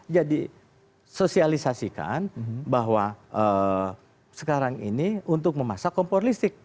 jadi sosialisasikan bahwa sekarang ini untuk memasak kompor listrik